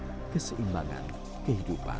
dan menjaga keseimbangan kehidupan